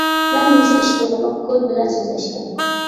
مەن مۇشۇ ئىش توغرىلىق كود بىلەن سۆزلەشكەن.